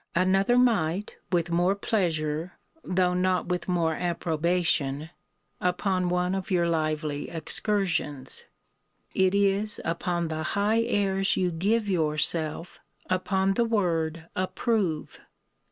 Another might, with more pleasure, (though not with more approbation,) upon one of your lively excursions. It is upon the high airs you give yourself upon the word approve.